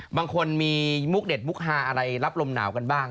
บางคนมีมุกเด็ดมุกฮาอะไรรับลมหนาวกันบ้าง